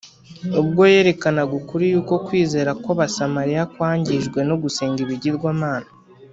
Ubwo yerekanaga ukuri yuko kwizera kw’Abasamariya kwangijwe no gusenga ibigirwamana